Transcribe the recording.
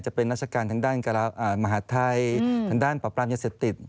จะเป็นราชการทางด้านมหาดไทยทางด้านปรับปรามยาเสพติด